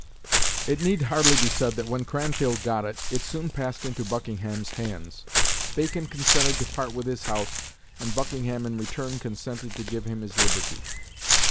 It need hardly be said that when Cranfield got it, it soon passed into Buckingham's hands. "Bacon consented to part with his house, and Buckingham in return consented to give him his liberty."